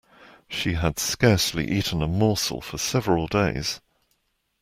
She had scarcely eaten a morsel for several days.